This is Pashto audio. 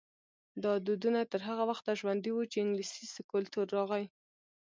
دا دودونه تر هغه وخته ژوندي وو چې انګلیسي کلتور راغی.